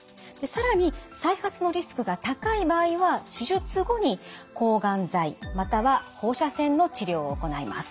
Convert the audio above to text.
更に再発のリスクが高い場合は手術後に抗がん剤または放射線の治療を行います。